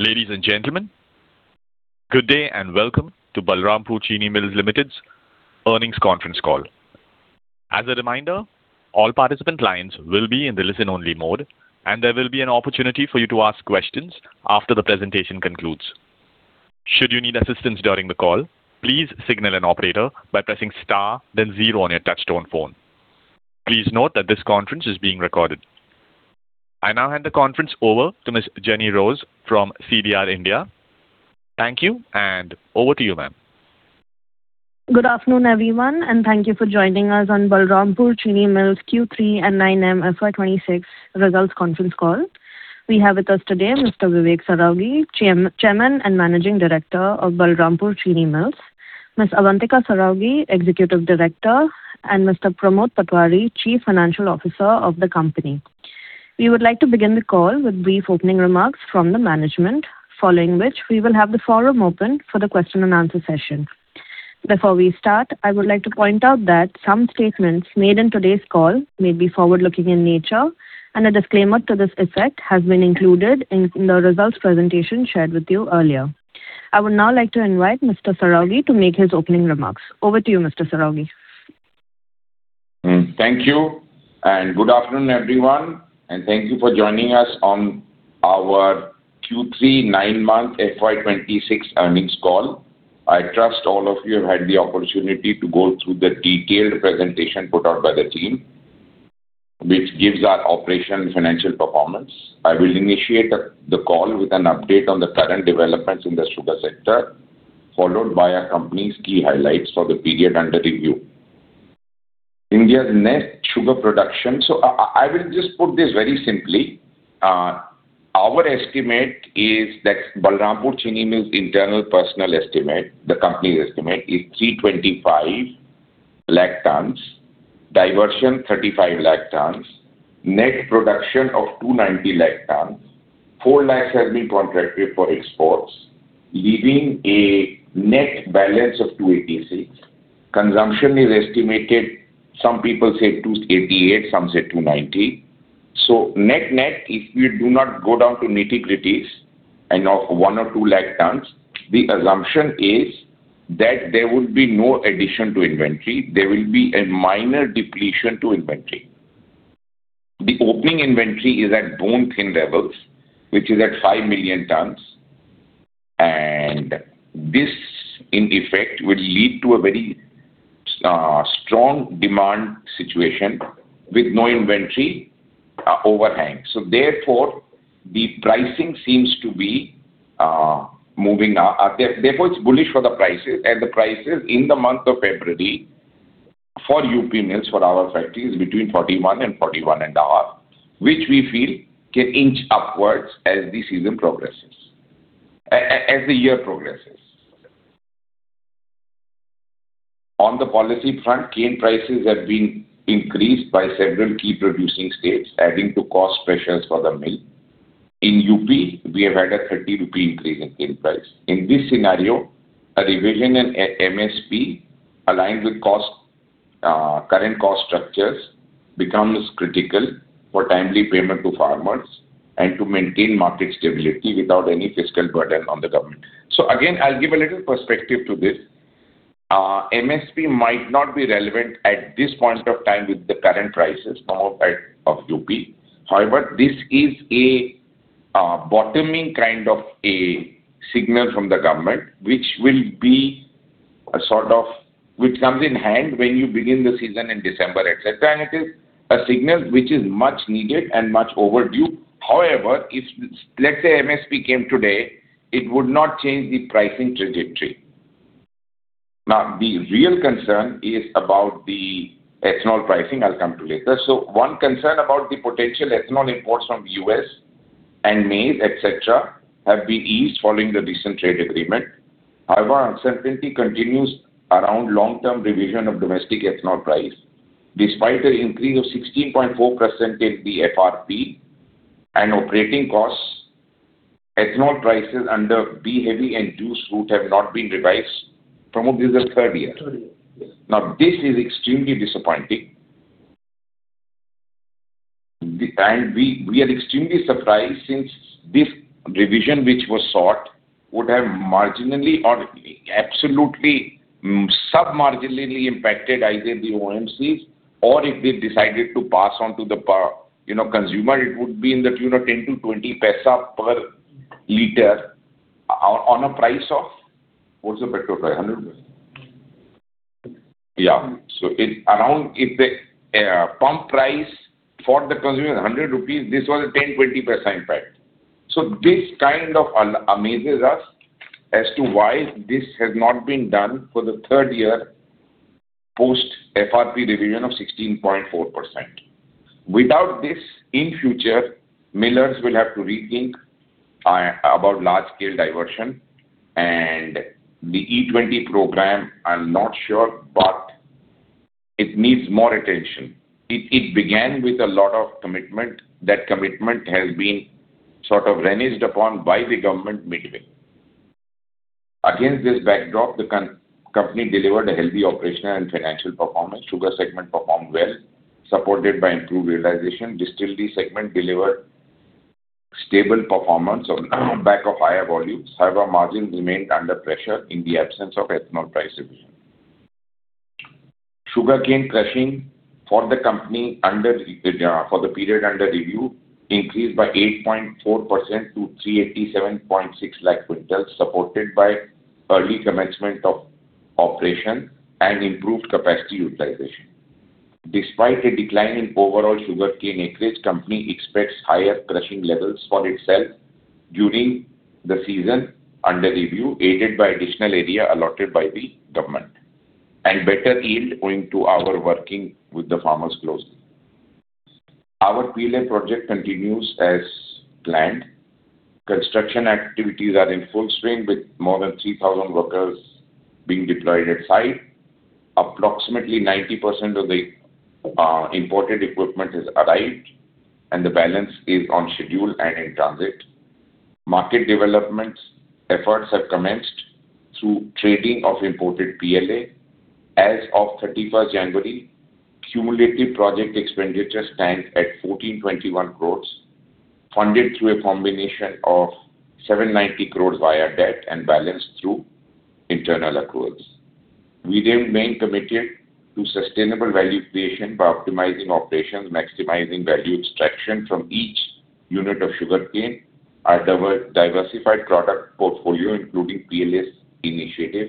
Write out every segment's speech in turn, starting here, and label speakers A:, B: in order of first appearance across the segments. A: Ladies and gentlemen, good day and welcome to Balrampur Chini Mills Limited's earnings conference call. As a reminder, all participant lines will be in the listen-only mode, and there will be an opportunity for you to ask questions after the presentation concludes. Should you need assistance during the call, please signal an operator by pressing Star then zero on your touchtone phone. Please note that this conference is being recorded. I now hand the conference over to Ms. Jenny Rose from CDR India. Thank you, and over to you, ma'am.
B: Good afternoon, everyone, and thank you for joining us on Balrampur Chini Mills Q3 and nine-month FY 2026 results conference call. We have with us today Mr. Vivek Saraogi, Chairman and Managing Director of Balrampur Chini Mills, Ms. Avantika Saraogi, Executive Director, and Mr. Pramod Patwari, Chief Financial Officer of the company. We would like to begin the call with brief opening remarks from the management, following which we will have the forum open for the question and answer session. Before we start, I would like to point out that some statements made in today's call may be forward-looking in nature, and a disclaimer to this effect has been included in the results presentation shared with you earlier. I would now like to invite Mr. Saraogi to make his opening remarks. Over to you, Mr. Saraogi.
C: Thank you, and good afternoon, everyone, and thank you for joining us on our Q3 nine-month FY 2026 earnings call. I trust all of you have had the opportunity to go through the detailed presentation put out by the team, which gives our operational and financial performance. I will initiate the call with an update on the current developments in the sugar sector, followed by our company's key highlights for the period under review. India's net sugar production. So I will just put this very simply. Our estimate is that Balrampur Chini Mills' internal personal estimate, the company estimate, is 325 lakh tonnes, diversion 35 lakh tonnes, net production of 290 lakh tonnes. four lakh tonnes have been contracted for exports, leaving a net balance of 286 lakh tonnes. Consumption is estimated, some people say 288 lakh tonnes, some say 290 lakh tonnes. So net, net, if you do not go down to nitty-gritties and of one or two lakh tonnes, the assumption is that there will be no addition to inventory. There will be a minor depletion to inventory. The opening inventory is at bone-thin levels, which is at five million tonnes, and this, in effect, will lead to a very strong demand situation with no inventory overhang. So therefore, the pricing seems to be moving now. Therefore, it's bullish for the prices, and the prices in the month of February for UP mills, for our factory, is between 41 and 41.5, which we feel can inch upwards as the season progresses, as the year progresses. On the policy front, cane prices have been increased by several key producing states, adding to cost pressures for the mill. In U.P., we have had an 30 rupee increase in cane price. In this scenario, a revision in MSP aligned with cost, current cost structures becomes critical for timely payment to farmers and to maintain market stability without any fiscal burden on the government. So again, I'll give a little perspective to this. MSP might not be relevant at this point of time with the current prices in U.P. However, this is a bottoming kind of a signal from the government, which will be a sort of... which comes in handy when you begin the season in December, et cetera, and it is a signal which is much needed and much overdue. However, if, let's say, MSP came today, it would not change the pricing trajectory. Now, the real concern is about the ethanol pricing. I'll come to later. So one concern about the potential ethanol imports from the U.S. and maize, etc., have been eased following the recent trade agreement. However, uncertainty continues around long-term revision of domestic ethanol price. Despite an increase of 16.4% in the FRP and operating costs, ethanol prices under B-heavy and C-heavy have not been revised from August of 2023. Now, this is extremely disappointing. And we, we are extremely surprised since this revision, which was sought, would have marginally or absolutely sub-marginally impacted either the OMC or if they decided to pass on to the po-- you know, consumer, it would be in the tune of 10-20 paisa per liter on a price of, what's the petrol price? 100. Yeah. So it's around, if the pump price for the consumer is 100 rupees, this was a 10-20 paisa impact. So this kind of amazes us as to why this has not been done for the third year, post FRP revision of 16.4%. Without this, in future, millers will have to rethink about large-scale diversion and the E20 program, I'm not sure, but it needs more attention. It began with a lot of commitment. That commitment has been sort of reneged upon by the government midway. Against this backdrop, the company delivered a healthy operational and financial performance. Sugar segment performed well, supported by improved realization. Distillery segment delivered stable performance on back of higher volumes. However, margins remained under pressure in the absence of ethanol price revision. Sugarcane crushing for the company under the for the period under review increased by 8.4% to 387.6 lakh quintals, supported by early commencement of operation and improved capacity utilization. Despite a decline in overall sugarcane acreage, company expects higher crushing levels for itself during the season under review, aided by additional area allotted by the government and better yield owing to our working with the farmers closely. Our PLA project continues as planned. Construction activities are in full swing, with more than 3,000 workers being deployed at site. Approximately 90% of the imported equipment has arrived, and the balance is on schedule and in transit. Market developments efforts have commenced through trading of imported PLA. As of 31 January, cumulative project expenditures stand at 1,421 crores, funded through a combination of 790 crores via debt and balance through internal accruals. We remain committed to sustainable value creation by optimizing operations, maximizing value extraction from each unit of sugarcane. Our diversified product portfolio, including PLA's initiative,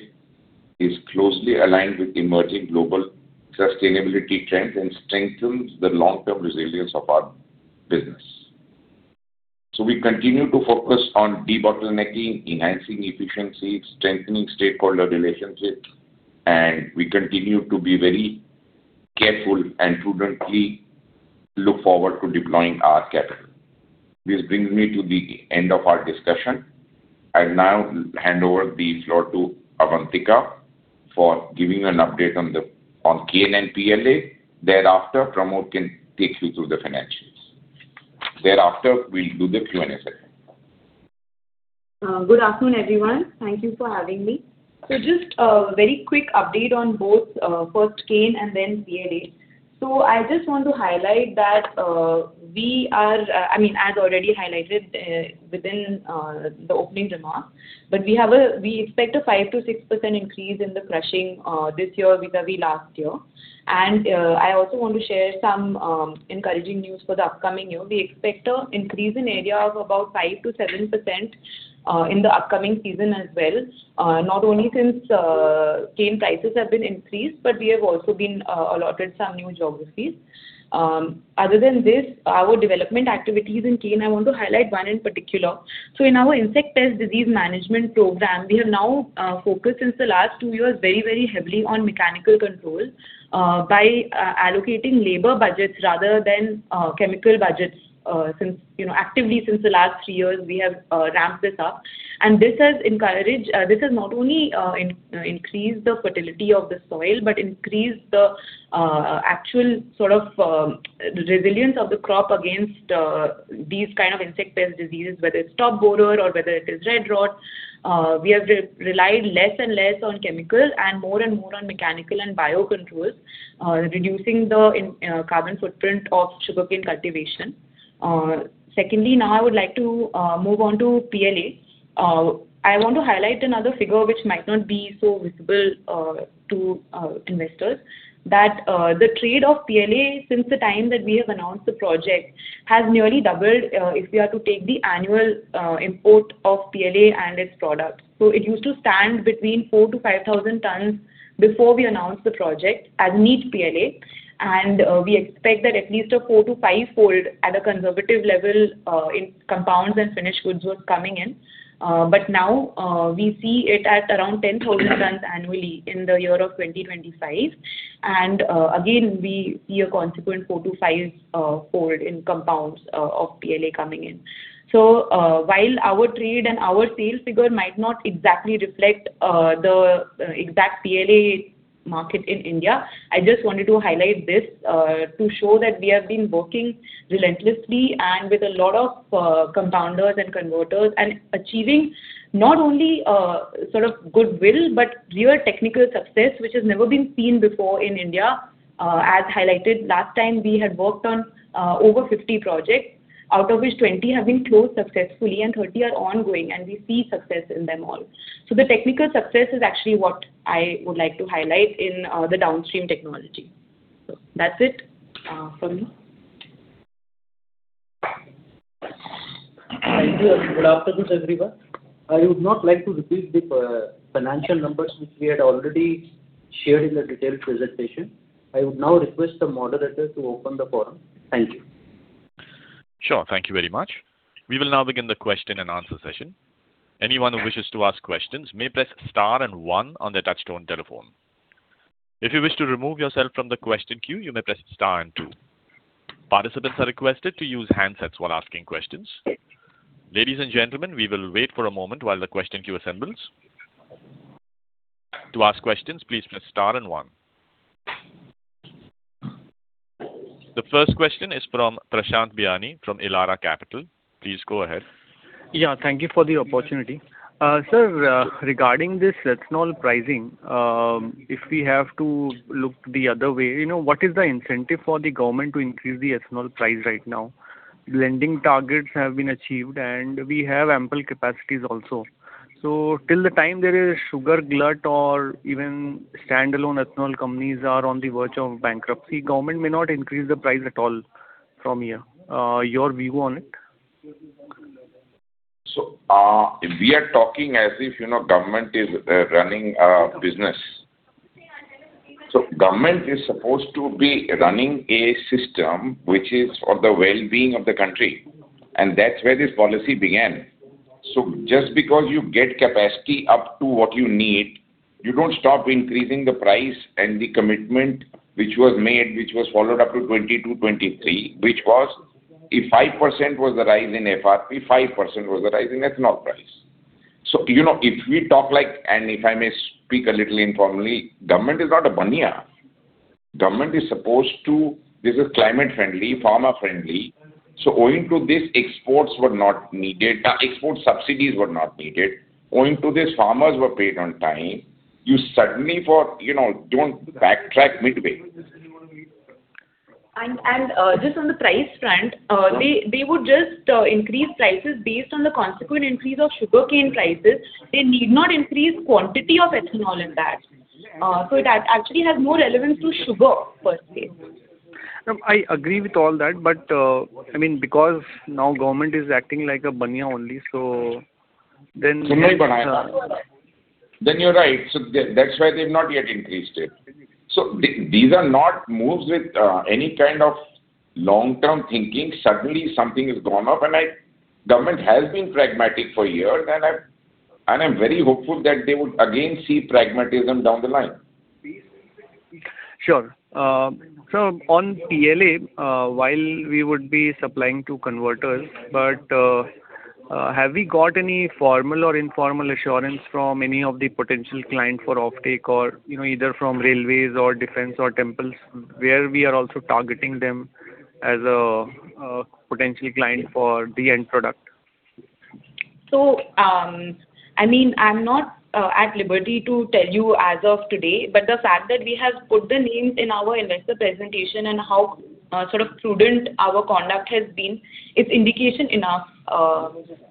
C: is closely aligned with emerging global sustainability trends and strengthens the long-term resilience of our business. So we continue to focus on debottlenecking, enhancing efficiency, strengthening stakeholder relationships, and we continue to be very careful and prudently look forward to deploying our capital. This brings me to the end of our discussion. I'll now hand over the floor to Avantika for giving an update on cane and PLA. Thereafter, Pramod can take you through the financials. Thereafter, we'll do the Q&A session.
D: Good afternoon, everyone. Thank you for having me. So just a very quick update on both, first cane and then PLA. So I just want to highlight that, I mean, as already highlighted, within the opening remarks, but we have a... We expect a 5%-6% increase in the crushing, this year vis-a-vis last year. I also want to share some encouraging news for the upcoming year. We expect a increase in area of about 5%-7% in the upcoming season as well. Not only since cane prices have been increased, but we have also been allotted some new geographies. Other than this, our development activities in cane, I want to highlight one in particular. So in our insect pest disease management program, we have now focused since the last two years, very, very heavily on mechanical control, by allocating labor budgets rather than chemical budgets. Since, you know, actively since the last three years, we have ramped this up, and this has encouraged, this has not only increased the fertility of the soil, but increased the actual sort of resilience of the crop against these kind of insect pest diseases, whether it's stalk borer or whether it is red rot. We have relied less and less on chemical and more and more on mechanical and biocontrols, reducing the carbon footprint of sugarcane cultivation. Secondly, now I would like to move on to PLA. I want to highlight another figure, which might not be so visible to investors, that the trade of PLA since the time that we have announced the project has nearly doubled, if we are to take the annual import of PLA and its products. So it used to stand between 4,000-5,000 tons before we announced the project as niche PLA, and we expect that at least a 4- to 5-fold at a conservative level in compounds and finished goods were coming in. But now we see it at around 10,000 tons annually in the year of 2025. And again, we see a consequent 4- to 5-fold in compounds of PLA coming in. So, while our trade and our sales figure might not exactly reflect the exact PLA market in India, I just wanted to highlight this to show that we have been working relentlessly and with a lot of compounders and converters, and achieving not only sort of goodwill, but real technical success, which has never been seen before in India. As highlighted, last time, we had worked on over 50 projects, out of which 20 have been closed successfully and 30 are ongoing, and we see success in them all. So the technical success is actually what I would like to highlight in the downstream technology. So that's it from me.
E: Thank you. Good afternoon, everyone. I would not like to repeat the financial numbers which we had already shared in the detailed presentation. I would now request the moderator to open the forum. Thank you.
A: Sure, thank you very much. We will now begin the question and answer session. Anyone who wishes to ask questions may press star and one on their touchtone telephone. If you wish to remove yourself from the question queue, you may press star and two. Participants are requested to use handsets while asking questions. Ladies and gentlemen, we will wait for a moment while the question queue assembles. To ask questions, please press star and one.... The first question is from Prashant Biyani from Elara Capital. Please go ahead.
F: Yeah, thank you for the opportunity. Sir, regarding this ethanol pricing, if we have to look the other way, you know, what is the incentive for the government to increase the ethanol price right now? Lending targets have been achieved, and we have ample capacities also. So till the time there is sugar glut or even standalone ethanol companies are on the verge of bankruptcy, government may not increase the price at all from here. Your view on it?
C: So, we are talking as if, you know, government is, running a business. So government is supposed to be running a system which is for the well-being of the country, and that's where this policy began. So just because you get capacity up to what you need, you don't stop increasing the price and the commitment which was made, which was followed up to 2022, 2023, which was if 5% was the rise in FRP, 5% was the rise in ethanol price. So, you know, if we talk like, and if I may speak a little informally, government is not a baniya. Government is supposed to. This is climate friendly, farmer friendly. So owing to this, exports were not needed, export subsidies were not needed. Owing to this, farmers were paid on time. You suddenly for, you know, don't backtrack midway.
D: Just on the price front, they would just increase prices based on the consequent increase of sugarcane prices. They need not increase quantity of ethanol in that. So it actually has more relevance to sugar, per se.
F: I agree with all that, but, I mean, because now government is acting like a baniya only, so then-
C: Then you're right. So that's why they've not yet increased it. So these are not moves with any kind of long-term thinking. Suddenly, something has gone up, and government has been pragmatic for years, and I, and I'm very hopeful that they would again see pragmatism down the line.
F: Sure. So on PLA, while we would be supplying to converters, but, have we got any formal or informal assurance from any of the potential client for offtake or, you know, either from railways or defense or temples, where we are also targeting them as a potential client for the end product?
D: So, I mean, I'm not at liberty to tell you as of today, but the fact that we have put the names in our investor presentation and how sort of prudent our conduct has been, is indication enough.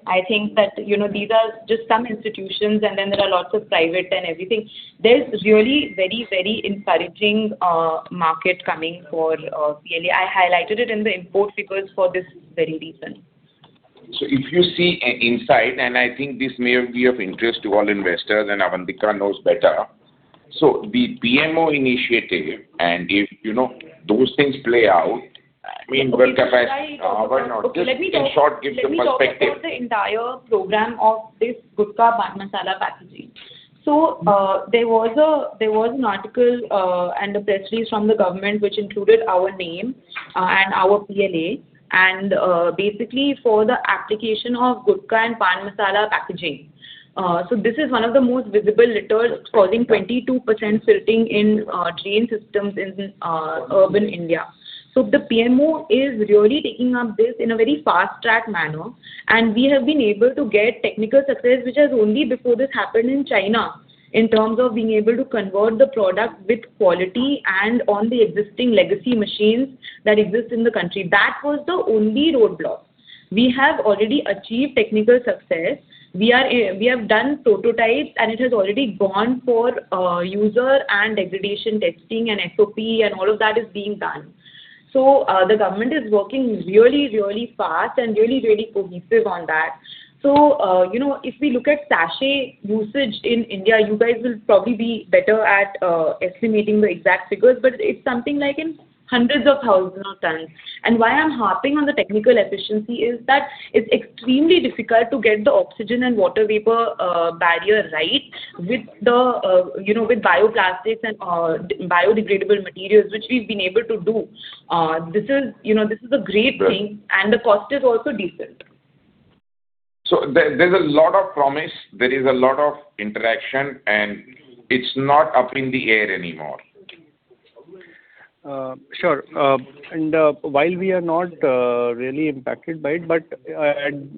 D: I think that, you know, these are just some institutions, and then there are lots of private and everything. There's really very, very encouraging market coming for PLA. I highlighted it in the import figures for this very reason.
C: So if you see inside, and I think this may be of interest to all investors, and Avantika knows better. So the PMO initiative, and if, you know, those things play out, I mean, but just in short, give the perspective.
D: Let me talk about the entire program of this gutkha pan masala packaging. So, there was an article and a press release from the government, which included our name and our PLA, and basically, for the application of gutkha and pan masala packaging. So this is one of the most visible litter causing 22% silting in drain systems in urban India. So the PMO is really taking up this in a very fast-track manner, and we have been able to get technical success, which has only before this happened in China, in terms of being able to convert the product with quality and on the existing legacy machines that exist in the country. That was the only roadblock. We have already achieved technical success. We are, we have done prototypes, and it has already gone for, user and degradation testing, and SOP, and all of that is being done. So, the government is working really, really fast and really, really cohesive on that. So, you know, if we look at sachet usage in India, you guys will probably be better at, estimating the exact figures, but it's something like in hundreds of thousands of tons. And why I'm harping on the technical efficiency is that it's extremely difficult to get the oxygen and water vapor, barrier right with the, you know, with bioplastics and, biodegradable materials, which we've been able to do. This is, you know, this is a great thing, and the cost is also decent.
C: So there, there's a lot of promise, there is a lot of interaction, and it's not up in the air anymore.
F: Sure. And while we are not really impacted by it, but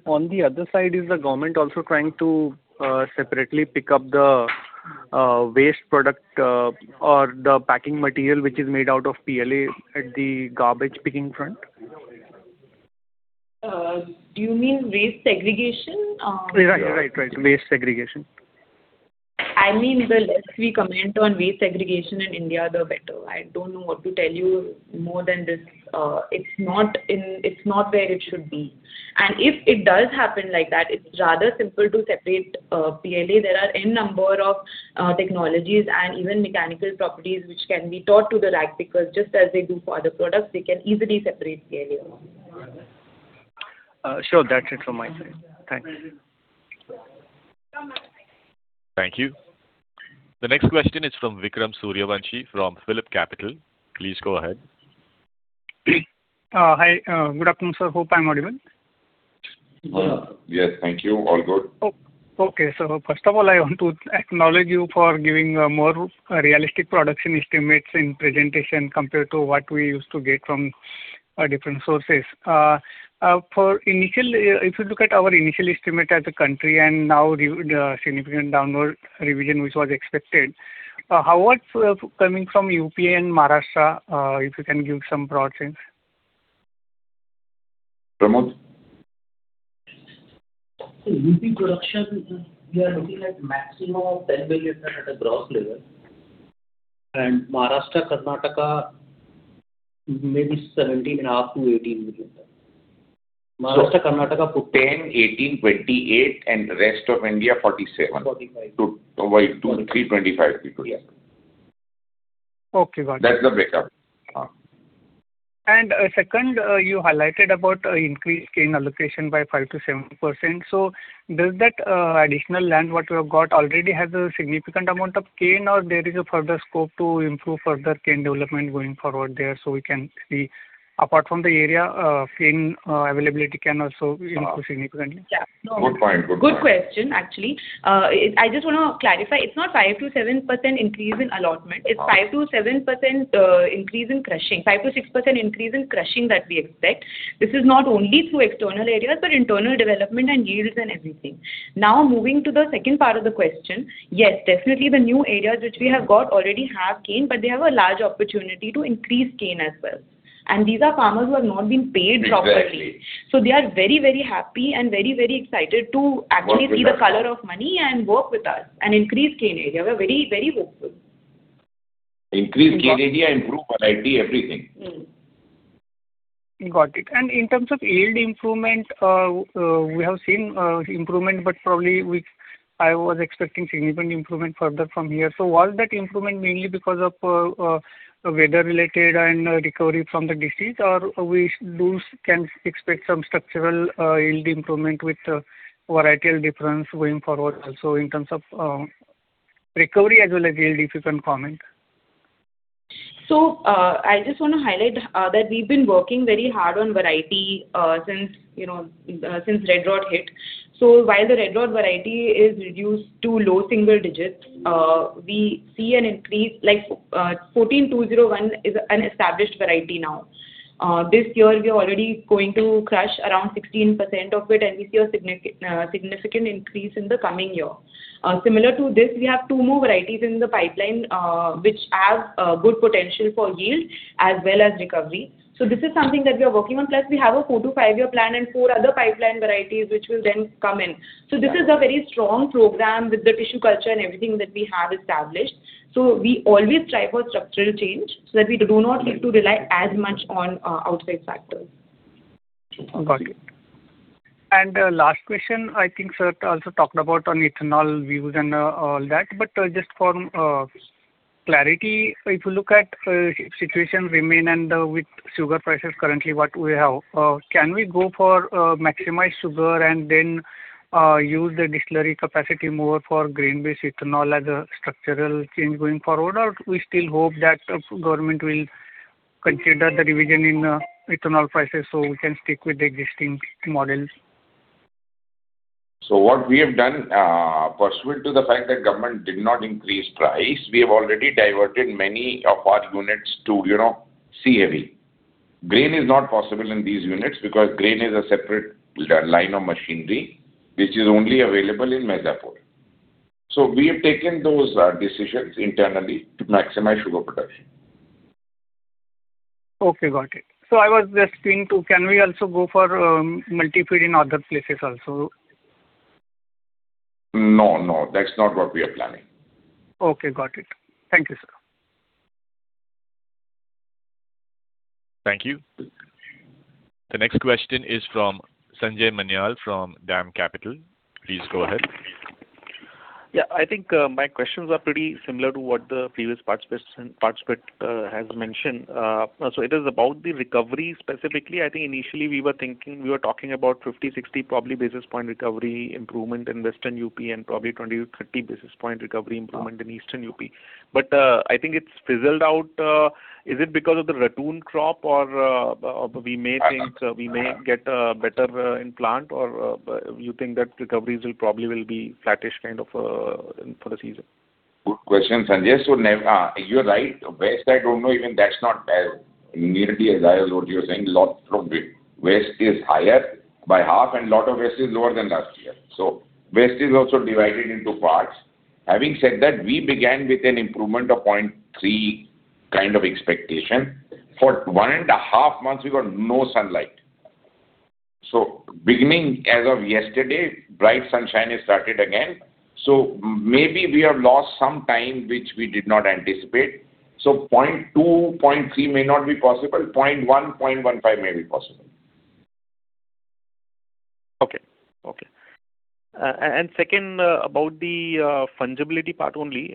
F: on the other side, is the government also trying to separately pick up the waste product, or the packing material, which is made out of PLA at the garbage picking front?
D: Do you mean waste segregation?
F: Right, right, right. Waste segregation.
D: I mean, the less we comment on waste segregation in India, the better. I don't know what to tell you more than this. It's not where it should be. And if it does happen like that, it's rather simple to separate PLA. There are n number of technologies and even mechanical properties which can be taught to the ragpickers, just as they do for other products. They can easily separate PLA.
F: Sure. That's it from my side. Thank you.
A: Thank you. The next question is from Vikram Suryavanshi from PhillipCapital. Please go ahead.
G: Hi. Good afternoon, sir. Hope I'm audible?...
C: Yes, thank you. All good.
G: Oh, okay. So first of all, I want to acknowledge you for giving more realistic production estimates in presentation compared to what we used to get from different sources. For initial, if you look at our initial estimate as a country and now the significant downward revision, which was expected, how was coming from UP and Maharashtra, if you can give some broad sense?
C: Pramod?
E: UP production, we are looking at maximum of 10 billion at a gross level. Maharashtra, Karnataka maybe 17.5-18 billion. Maharashtra, Karnataka-
C: 10, 18, 28, and rest of India, 47.
E: Forty-five.
C: To avoid two, three 25 people.
G: Okay, got it.
C: That's the breakup.
G: And, second, you highlighted about increased cane allocation by 5%-7%. So does that additional land, what you have got already has a significant amount of cane, or there is a further scope to improve further cane development going forward there, so we can see, apart from the area, cane availability can also improve significantly?
D: Yeah.
C: Good point, good point.
D: Good question, actually. I just want to clarify, it's not 5%-7% increase in allotment.
C: Uh.
D: It's 5%-7% increase in crushing. 5%-6% increase in crushing that we expect. This is not only through external areas, but internal development and yields and everything. Now, moving to the second part of the question, yes, definitely the new areas which we have got already have cane, but they have a large opportunity to increase cane as well. And these are farmers who have not been paid properly.
C: Exactly.
D: They are very, very happy and very, very excited to actually-
C: Work with us
D: see the color of money and work with us and increase cane area. We're very, very hopeful.
C: Increase cane area and improve variety, everything.
D: Mm.
G: Got it. And in terms of yield improvement, we have seen improvement, but probably I was expecting significant improvement further from here. So was that improvement mainly because of weather-related and recovery from the disease? Or we do can expect some structural yield improvement with the varietal difference going forward also in terms of recovery as well as yield, if you can comment.
D: So, I just want to highlight that we've been working very hard on variety since, you know, since red rot hit. So while the red rot variety is reduced to low single digits, we see an increase, like, 14201 is an established variety now. This year, we are already going to crush around 16% of it, and we see a significant increase in the coming year. Similar to this, we have two more varieties in the pipeline, which have good potential for yield as well as recovery. So this is something that we are working on. Plus, we have a four-to-five-year plan and four other pipeline varieties, which will then come in.
C: Right.
D: So this is a very strong program with the tissue culture and everything that we have established. So we always try for structural change, so that we do not need to rely as much on outside factors.
G: Got it. And the last question, I think Sir also talked about on ethanol views and, all that, but, just for, clarity, if you look at, situation remain and, with sugar prices currently what we have, can we go for, maximize sugar and then, use the distillery capacity more for grain-based ethanol as a structural change going forward? Or we still hope that the government will consider the revision in, ethanol prices, so we can stick with the existing models.
C: So what we have done, pursuant to the fact that government did not increase price, we have already diverted many of our units to, you know, C heavy. Grain is not possible in these units because grain is a separate line of machinery, which is only available in Maizapur. So we have taken those decisions internally to maximize sugar production.
G: Okay, got it. So I was just seeing to, can we also go for multi-feed in other places also?
C: No, no, that's not what we are planning.
G: Okay, got it. Thank you, sir.
A: Thank you. The next question is from Sanjay Manyal from DAM Capital. Please go ahead.
H: Yeah, I think my questions are pretty similar to what the previous participant has mentioned. So it is about the recovery specifically. I think initially we were thinking, we were talking about 50-60 basis point recovery improvement in western UP, and probably 20-30 basis point recovery improvement-
C: Uh.
H: in eastern UP. But, I think it's fizzled out. Is it because of the ratoon crop or, we may think-
C: Uh.
H: -we may get, better, in plant? Or, you think that recoveries will probably will be flattish kind of, for the season?
C: Good question, Sanjay. So you're right. West, I don't know, even that's not as nearly as high as what you're saying, lot from it. West is higher by half, and lot of west is lower than last year. So west is also divided into parts. Having said that, we began with an improvement of 0.3 kind of expectation. For one and a half months, we got no sunlight. So beginning as of yesterday, bright sunshine has started again. So maybe we have lost some time, which we did not anticipate. So 0.2, 0.3 may not be possible. 0.1, 0.15 may be possible.
H: Okay. And second, about the fungibility part only,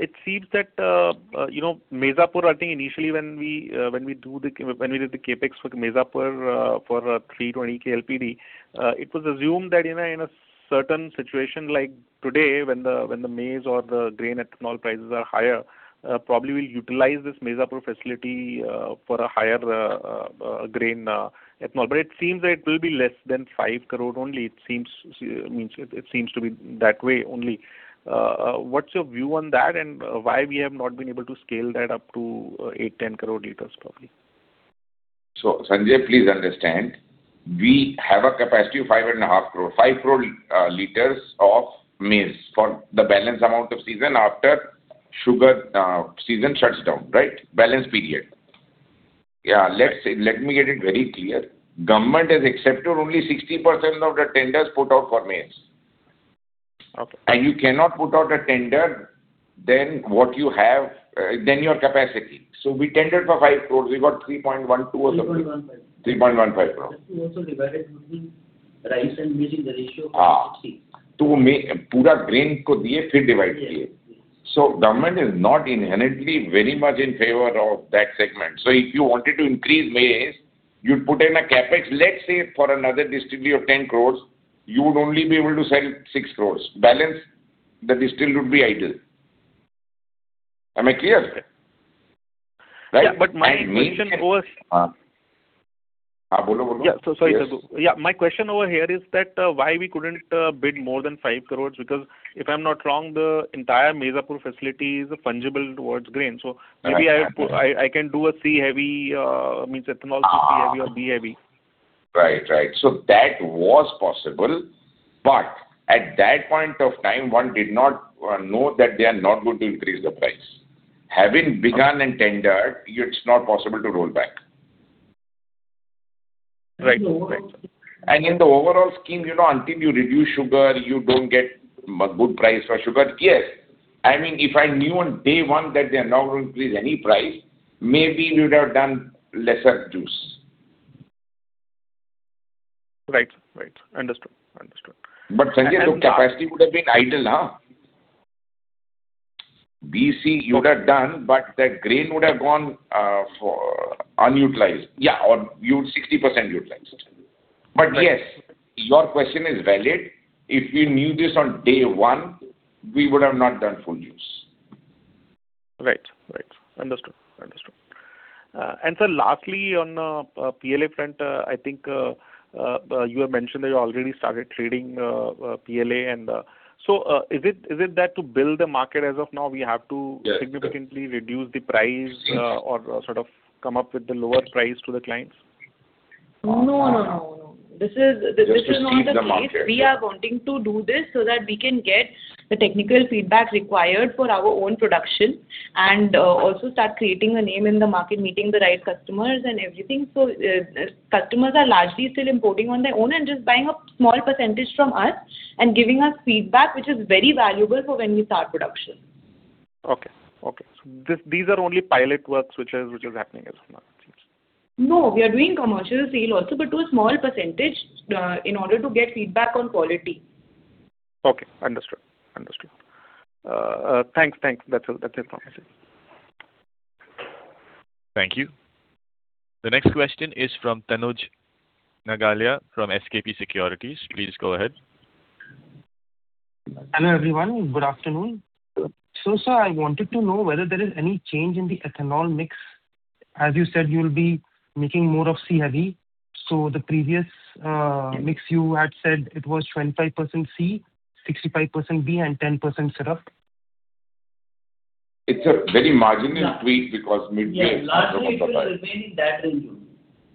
H: it seems that, you know, Maizapur, I think initially when we did the CapEx for Maizapur, for 320 KLPD, it was assumed that in a certain situation like today, when the maize or the grain ethanol prices are higher, probably we'll utilize this Maizapur facility for a higher grain ethanol. But it seems that it will be less than five crore only. It seems, means it, it seems to be that way only. What's your view on that, and why we have not been able to scale that up to 8-10 crore liters, probably?...
C: So, Sanjay, please understand, we have a capacity of five point five crore, five crore liters of maize for the balance amount of season after sugar season shuts down, right? Balance period. Yeah, let's see. Let me get it very clear. Government has accepted only 60% of the tenders put out for maize.
H: Okay.
C: You cannot put out a tender, then what you have than your capacity. So we tendered for five crores. We got 3.12 or something.
E: 3.15.
C: INR 3.15 crores.
E: We also divided between rice and maize in the ratio of 60.
C: Ah. So, man, so government is not inherently very much in favor of that segment. So if you wanted to increase maize, you'd put in a CapEx, let's say, for another distillery of 10 crore, you would only be able to sell 6 crore. Balance, the distillery would be idle. Am I clear?
H: Yeah, but my question was-
C: Uh,
H: Yeah. So sorry. Yeah, my question over here is that, why we couldn't bid more than 5 crore? Because if I'm not wrong, the entire Maizapur facility is fungible towards grain. So maybe I, I can do a C-heavy, means ethanol C-heavy or B-heavy.
C: Right, right. So that was possible, but at that point of time, one did not know that they are not going to increase the price. Having begun and tendered, it's not possible to roll back.
H: Right.
C: In the overall scheme, you know, until you reduce sugar, you don't get a good price for sugar. Yes. I mean, if I knew on day one that they are not going to increase any price, maybe we would have done lesser juice.
H: Right. Right. Understood. Understood.
C: But, Sanjay, the capacity would have been idle, huh? BC, you would have done, but that grain would have gone for unutilized. Yeah, or you would 60% utilized. But yes, your question is valid. If we knew this on day one, we would have not done full use.
H: Right. Right. Understood. Understood. And so lastly, on PLA front, I think you have mentioned that you already started trading PLA, and... So, is it that to build the market as of now, we have to-
C: Yeah.
H: significantly reduce the price, or sort of come up with the lower price to the clients?
E: No, no, no, no. This is, this is not the case.
C: Just to see the market.
E: We are wanting to do this so that we can get the technical feedback required for our own production, and also start creating a name in the market, meeting the right customers and everything. So, customers are largely still importing on their own and just buying a small percentage from us and giving us feedback, which is very valuable for when we start production.
H: Okay. Okay. So these are only pilot works, which is, which is happening as of now.
E: No, we are doing commercial sale also, but to a small percentage, in order to get feedback on quality.
H: Okay, understood. Understood. Thanks. Thanks. That's all, that's it from my side.
A: Thank you. The next question is from Tanuj Nagalia, from SKP Securities. Please go ahead.
I: Hello, everyone. Good afternoon. So, sir, I wanted to know whether there is any change in the ethanol mix. As you said, you will be making more of C-heavy. So the previous mix, you had said it was 25% C-heavy, 65% B-heavy, and 10% syrup.
C: It's a very marginal tweak because midway-
E: Yeah, largely it will remain in that range only.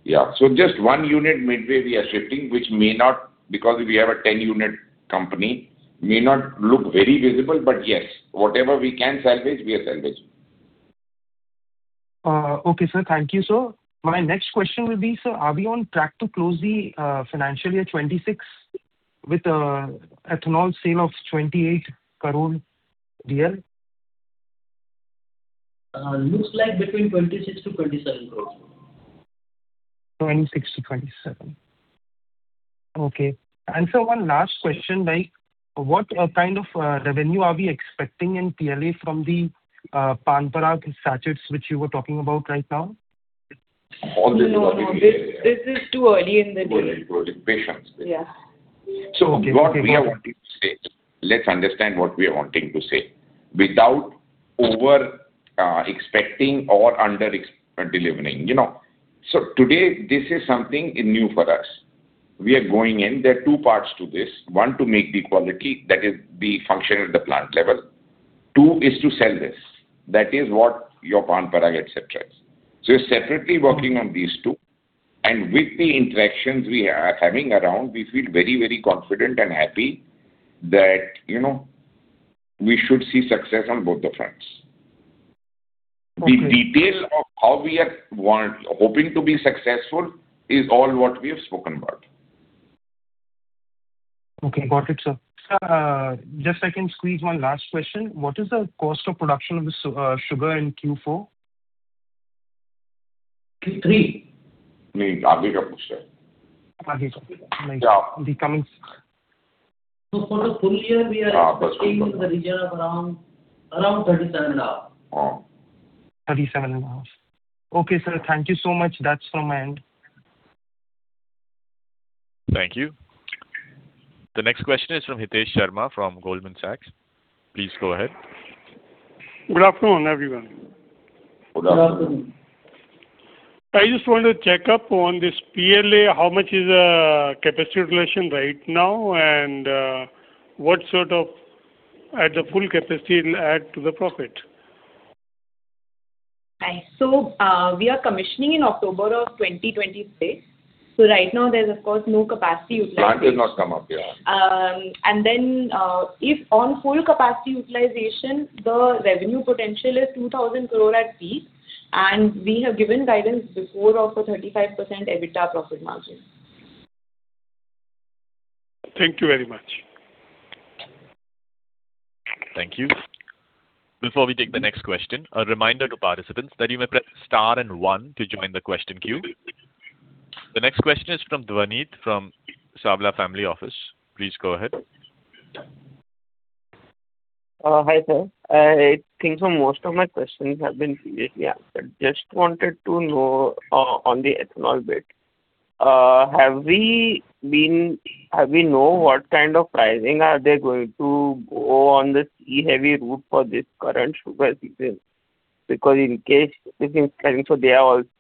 C: Yeah. So just one unit midway, we are shifting, which may not, because we have a 10-unit company, may not look very visible, but yes, whatever we can salvage, we are salvaging.
I: Okay, sir. Thank you, sir. My next question will be, sir, are we on track to close the financial year 2026 with ethanol sale of 28 crore KL?
E: Looks like between 26-27 crore.
I: 26-27. Okay. And sir, one last question, like, what kind of revenue are we expecting in PLA from the Pan Parag sachets, which you were talking about right now?
C: All this-
E: No, no, this, this is too early in the day.
C: Patience.
E: Yeah.
C: So what we are wanting to say, let's understand what we are wanting to say. Without over expecting or under-delivering, you know. So today, this is something new for us. We are going in. There are two parts to this. One, to make the quality, that is the function at the plant level. Two, is to sell this. That is what your Pan Parag et cetera is. So we're separately working on these two, and with the interactions we are having around, we feel very, very confident and happy that, you know, we should see success on both the fronts.
I: Okay.
C: The details of how we are hoping to be successful is all what we have spoken about.
I: Okay, got it, sir. Just I can squeeze one last question. What is the cost of production of the sugar in Q4?
E: Q3.
C: Nee,...
I: Yeah, the coming.
E: For the full year, we are expecting in the region of around, around 37.5.
C: Oh.
I: 37.5. Okay, sir, thank you so much. That's from my end.
A: Thank you. The next question is from Hitesh Sharma, from Goldman Sachs. Please go ahead.
J: Good afternoon, everyone.
C: Good afternoon.
E: Good afternoon.
J: I just want to check up on this PLA. How much is capacity utilization right now, and at the full capacity it'll add to the profit?
D: Right. So, we are commissioning in October of 2026. So right now there's, of course, no capacity utilization.
J: Plant did not come up, yeah.
D: And then, if on full capacity utilization, the revenue potential is 2,000 crore at peak, and we have given guidance before of a 35% EBITDA profit margin.
J: Thank you very much.
A: Thank you. Before we take the next question, a reminder to participants that you may press Star and One to join the question queue. The next question is from Dhwanit, from Savla Family Office. Please go ahead.
K: Hi, sir. I think most of my questions have been previously asked. Just wanted to know, on the ethanol bit, have we know what kind of pricing are they going to go on the C-heavy route for this current sugar season? Because in case, they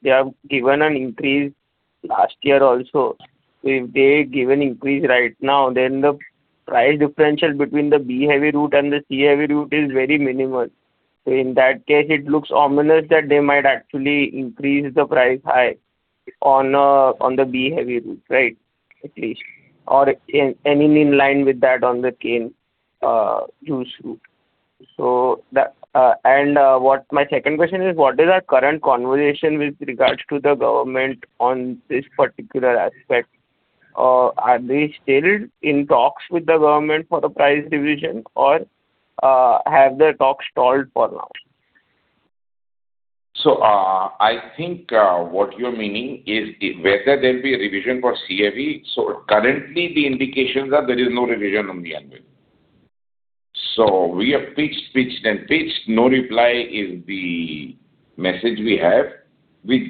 K: have given an increase last year also. So if they give an increase right now, then the price differential between the B-heavy route and the C-heavy route is very minimal. So in that case, it looks ominous that they might actually increase the price high on the B-heavy route, right? At least. Or in, and in line with that on the cane juice route. So that. What my second question is, what is our current conversation with regards to the government on this particular aspect? Are they still in talks with the government for the price revision, or have the talks stalled for now?
C: I think what you're meaning is whether there'll be a revision for C-heavy. Currently, the indications are there is no revision on the anvil. We have pitched, pitched, and pitched. No reply is the message we have, which,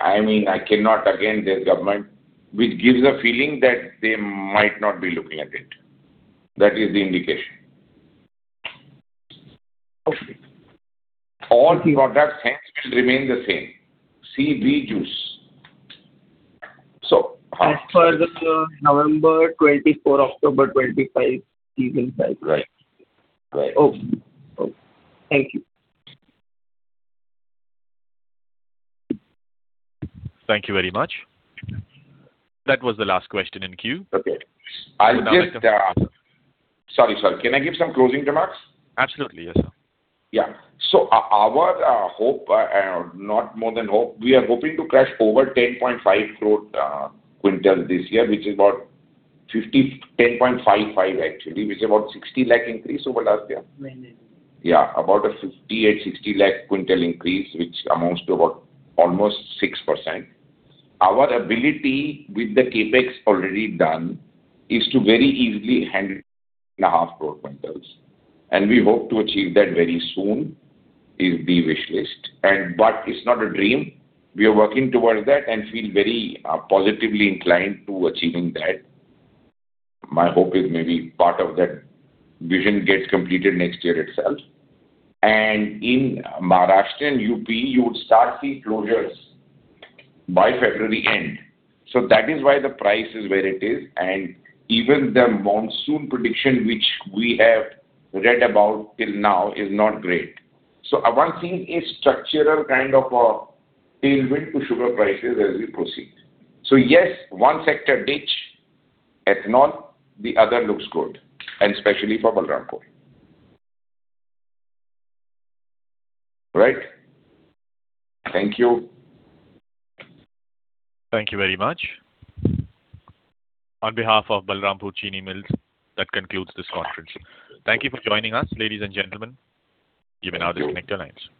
C: I mean, I cannot again, this government, which gives a feeling that they might not be looking at it. That is the indication.
K: Okay.
C: All products hence will remain the same, C, B juice. So-
K: As for the November 2024, October 2025 season, right?
C: Right.
K: Oh, oh, thank you.
A: Thank you very much. That was the last question in queue.
C: Okay. I'll just... Sorry, sir. Can I give some closing remarks?
A: Absolutely, yes, sir.
C: Yeah. So our hope, not more than hope, we are hoping to crush over 10.5 crore quintal this year, which is about 50, 10.55, actually, which is about 60 lakh increase over last year.
D: Maybe.
C: Yeah, about a 50-60 lakh quintal increase, which amounts to about almost 6%. Our ability with the CapEx already done is to very easily handle 10.5 crore quintals, and we hope to achieve that very soon, is the wish list. But it's not a dream. We are working towards that and feel very positively inclined to achieving that. My hope is maybe part of that vision gets completed next year itself. In Maharashtra and UP, you would start see closures by February end. So that is why the price is where it is, and even the monsoon prediction, which we have read about till now, is not great. So one thing is structural kind of a tailwind to sugar prices as we proceed. So yes, one sector distillery, ethanol, the other looks good, and especially for Balrampur. Right? Thank you.
A: Thank you very much. On behalf of Balrampur Chini Mills, that concludes this conference. Thank you for joining us, ladies and gentlemen. You may now disconnect your lines.